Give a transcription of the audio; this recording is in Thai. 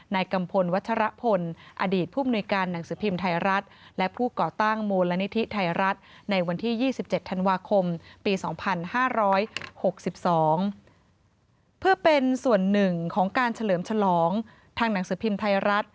ในกัมพลวัฒระพลอดีตผู้มนุยการหนังสือพิมพ์ไทยรัฐ